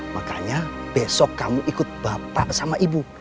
makanya besok kamu ikut bapak sama ibu